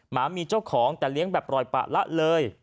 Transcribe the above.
หมามีเจ้าของแต่เลี้ยงแบบปล่อยปะละเลย